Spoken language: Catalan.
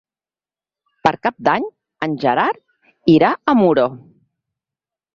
Per Cap d'Any en Gerard irà a Muro.